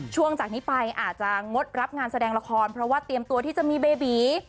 จากนี้ไปอาจจะงดรับงานแสดงละครเพราะว่าเตรียมตัวที่จะมีเบบี